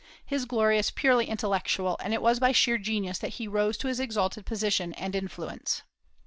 His glory is purely intellectual, and it was by sheer genius that he rose to his exalted position and influence.